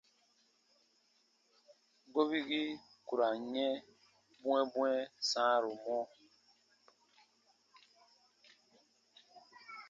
Gobigii ku ra n yɛ̃ bwɛ̃ɛbwɛ̃ɛ sãaru mɔ.